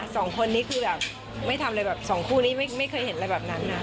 สองคนนี้คือแบบไม่ทำอะไรแบบสองคู่นี้ไม่เคยเห็นอะไรแบบนั้นนะ